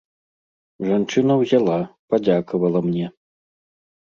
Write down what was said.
Жанчына ўзяла, падзякавала мне.